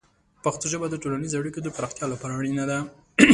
پښتو ژبه د ټولنیزو اړیکو د پراختیا لپاره اړینه ده.